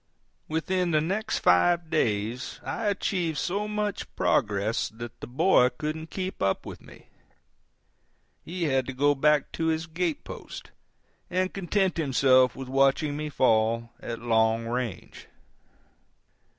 Within the next five days I achieved so much progress that the boy couldn't keep up with me. He had to go back to his gate post, and content himself with watching me fall at long range.